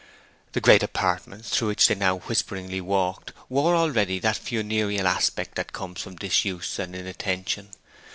The great apartments through which they now whisperingly walked wore already that funereal aspect that comes from disuse and inattention.